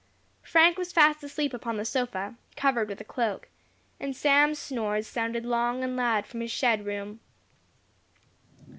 Frank was fast asleep upon the sofa, covered with a cloak; and Sam's snores sounded long and loud from his shed room.